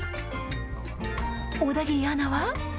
小田切アナは？